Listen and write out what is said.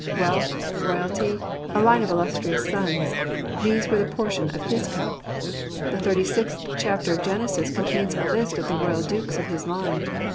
Wealth, royalty, a line of illustrious sous— these were the portion of his cup. The thirty sixth chapter of Genesis contains a list of the royal dukes of his line.